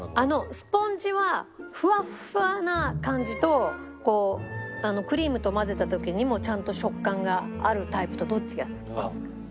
スポンジはふわふわな感じとこうクリームと混ぜた時にもちゃんと食感があるタイプとどっちが好きですか？